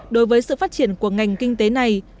đối với sự phát triển của ngành kinh tế này